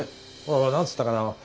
ほら何つったかな